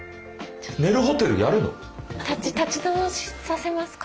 立ち直しさせますか。